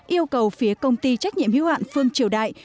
yêu cầu phía công ty trách nhiệm hiếu hạn phương triều đại